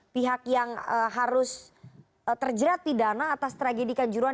pihak yang harus terjerat di dana atas tragedi kanjuruhan